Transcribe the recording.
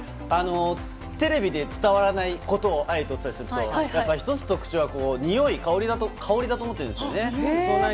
テレビで伝わらないことをあえてお伝えすると１つ特徴は、におい香りだと思っているんですよね。